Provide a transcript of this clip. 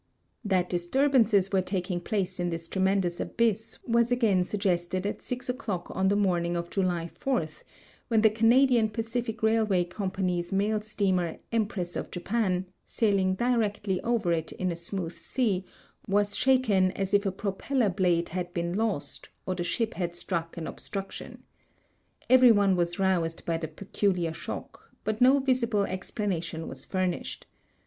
* That disturbances were taking ])lace in this tremendous abyss was again suggested at six o'clock on the morning of J uly 4, wlien the Canadian Pacific Railway Comi)any's mail steamer Empress of Japan, sailing directly over it in a smooth sea, was shaken as if a propeller blade had been lost or the ship had struck an ob struction. Every one was roused by the })eculiar shock, but no visil)le cx])lanation was furnished.